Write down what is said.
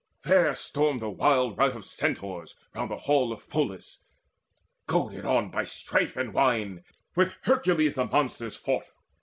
There stormed the wild rout of the Centaurs round The hall of Pholus: goaded on by Strife And wine, with Hercules the monsters fought.